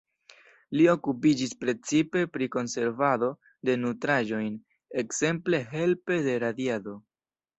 Li okupiĝis precipe pri konservado de nutraĵoj, ekzemple helpe de radiado.